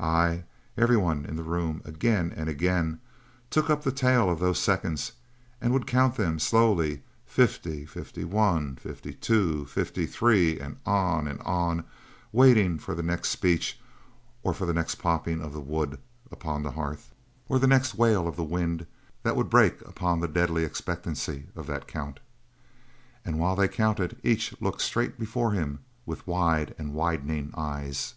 Ay, everyone in the room, again and again, took up the tale of those seconds and would count them slowly fifty, fifty one, fifty two, fifty three and on and on, waiting for the next speech, or for the next popping of the wood upon the hearth, or for the next wail of the wind that would break upon the deadly expectancy of that count. And while they counted each looked straight before him with wide and widening eyes.